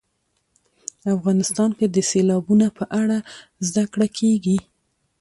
افغانستان کې د سیلابونه په اړه زده کړه کېږي.